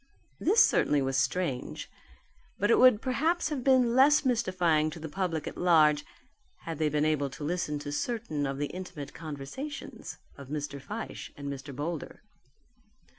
This certainly was strange. But it would perhaps have been less mystifying to the public at large, had they been able to listen to certain of the intimate conversations of Mr. Fyshe and Mr. Boulder.